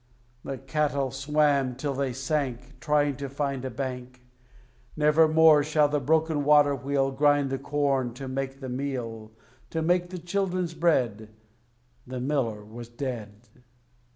The cattle swam till they sank, Trying to find a bank. Never more shall the broken water wheel Grind the corn to make the meal, To make the children's bread. The miller was dead.